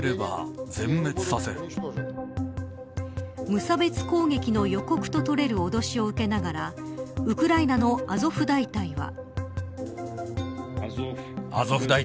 無差別攻撃の予告と取れる脅しを受けながらウクライナのアゾフ大隊は。